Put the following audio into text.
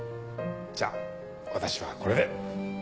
じゃあ私はこれで。